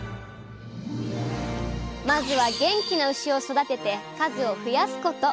まずは元気な牛を育てて数を増やすこと！